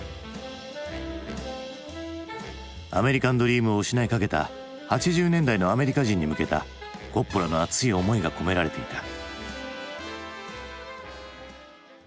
アメリカンドリームを失いかけた８０年代のアメリカ人に向けたコッポラの熱い思いが込められていた。